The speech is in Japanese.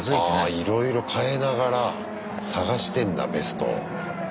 ああいろいろ変えながら探してんだベストを。